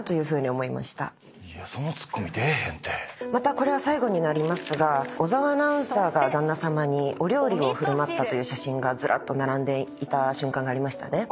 これは最後になりますが小澤アナウンサーが旦那さまにお料理を振る舞ったという写真がずらっと並んでいた瞬間がありましたね。